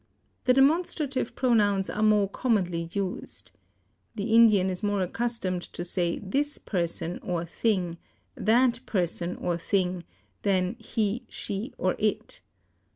The demonstrative pronouns are more commonly used. The Indian is more accustomed to say this person or thing, that person or thing, than he, she, or it.